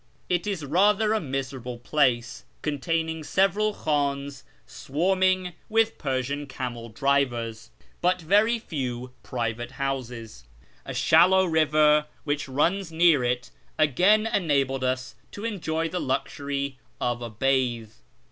It is rathei a miserable place, containing several khdns swarming witli Persian camel drivers, but very few private houses. A shallow river which runs near it again enabled us to enjoy the luxury of a bathe.